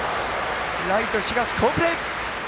ライト、東、好プレー！